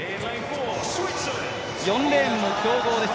４レーンも強豪です